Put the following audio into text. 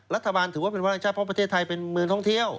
รัฐบาลถือว่าเป็นวาระชาติเพราะประเทศไทยเป็นเมืองท่องเที่ยว